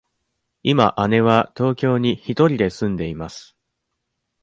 今姉は東京に一人で住んでいます。